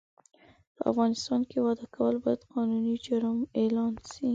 په افغانستان کې واده کول باید قانوني جرم اعلان سي